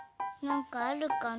なんかあるかな？